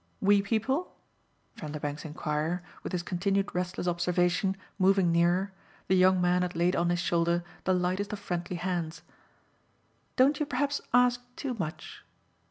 "We people?" Vanderbank's enquirer, with his continued restless observation, moving nearer, the young man had laid on his shoulder the lightest of friendly hands. "Don't you perhaps ask too much?